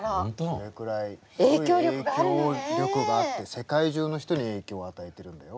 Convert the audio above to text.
それくらいすごい影響力があって世界中の人に影響を与えてるんだよ。